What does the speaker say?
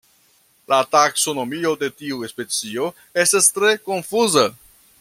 La taksonomio de tiu specio estas tre konfuza.